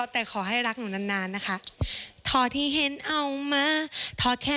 แต่ขอให้รักหนูนานนะคะ